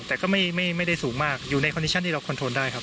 แต่ก็ไม่ได้สูงมากอยู่ในคอนดิชั่นที่เราคอนโทนได้ครับ